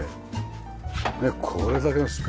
ねえこれだけのスペース